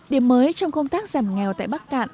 điểm mới trong công tác giảm nghèo tại bắc cạn